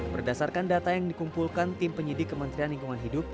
berdasarkan data yang dikumpulkan tim penyidik kementerian lingkungan hidup